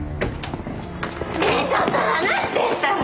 ねえちょっと離してったら。